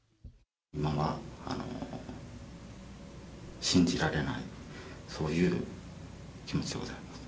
今は、信じられない、そういう気持ちでございます。